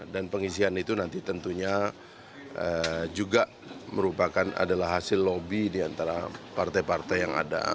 dan pengisian itu nanti tentunya juga merupakan adalah hasil lobby di antara partai partai yang ada